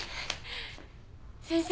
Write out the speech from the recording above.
先生。